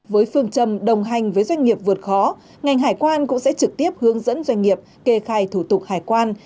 với phương châm đồng hành với doanh nghiệp vượt khó ngành hải quan cũng sẽ trực tiếp hướng dẫn doanh nghiệp kê khai thủ tục hải quan